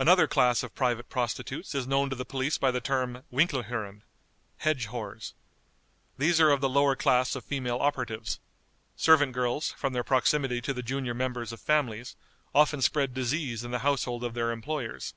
Another class of private prostitutes is known to the police by the term "Winklehuren" (hedge w ). These are of the lower class of female operatives. Servant girls, from their proximity to the junior members of families, often spread disease in the household of their employers.